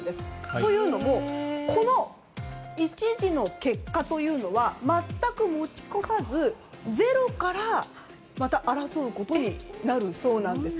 というのもこの１次の結果というのは全く持ち越さず、ゼロから争うことになるそうなんです。